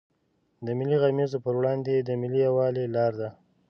د ملي غمیزو پر وړاندې د ملي یوالي لار ده.